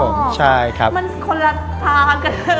มันคนละทางกันเลย